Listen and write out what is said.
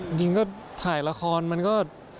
จริงก็ถ่ายละครมันก็